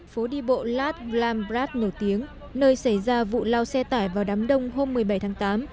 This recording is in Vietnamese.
phố đi bộ lat lambrad nổi tiếng nơi xảy ra vụ lao xe tải vào đám đông hôm một mươi bảy tháng tám